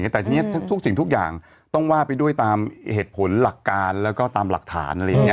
แต่ทุกสิ่งทุกอย่างต้องว่าไปด้วยตามเหตุผลหลักการแล้วก็ตามหลักฐาน